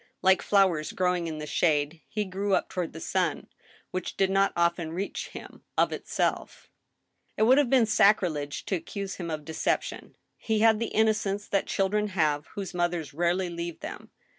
Like flowers growing in the shade, he grew up toward the sun, which did not often reach him of itself. AN ILLUMINATION. 151 It would have been sacrilege to accuse him of deception. He^ had the innocence that children have whose mothers rarely leave them.